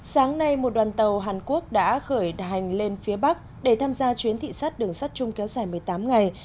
sáng nay một đoàn tàu hàn quốc đã khởi hành lên phía bắc để tham gia chuyến thị sát đường sắt chung kéo dài một mươi tám ngày